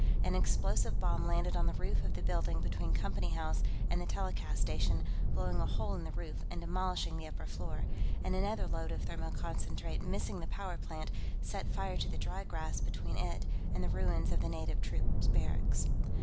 An explosive bomb landed on the roof of the building between Company House and the telecast station, blowing a hole in the roof and demolishing the upper floor. And another load of thermoconcentrate, missing the power plant, set fire to the dry grass between it and the ruins of the native troops barracks.